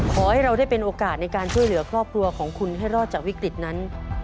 ขอให้เราได้เป็นโอกาสในการช่วยเหลือครอบครัวของคุณให้รอดจากวิกฤตนั้น